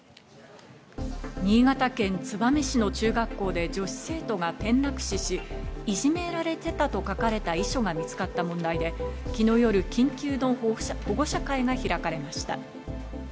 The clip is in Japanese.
新潟県燕市の中学校で女子生徒が転落死し、いじめられてたと書かれた遺書が見つかった問題で昨日夜、緊急の保護者会が開かれました。